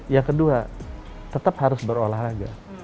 yang kedua tetap harus berolahraga